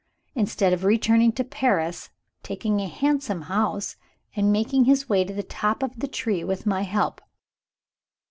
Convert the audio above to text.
instead of returning to Paris, taking a handsome house, and making his way to the top of the tree with my help.